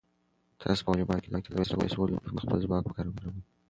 تاسو په واليبال کې د سرویس وهلو پر مهال خپل ځواک وکاروئ.